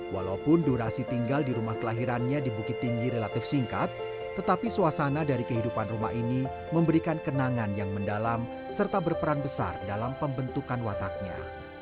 walaupun durasi tinggal di rumah kelahirannya di bukit tinggi relatif singkat tetapi suasana dari kehidupan rumah ini memberikan kenangan yang mendalam serta berperan besar dalam pembentukan wataknya